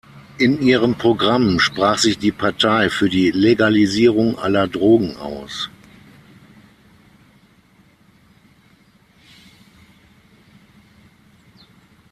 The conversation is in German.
In ihrem Programm sprach sich die Partei für die Legalisierung aller Drogen aus.